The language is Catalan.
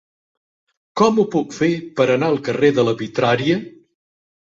Com ho puc fer per anar al carrer de la Vitrària?